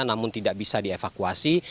namun tidak bisa dievakuasi